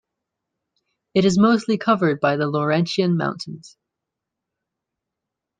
It is mostly covered by the Laurentian mountains.